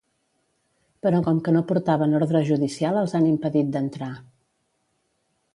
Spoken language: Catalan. Però com que no portaven ordre judicial els han impedit d’entrar.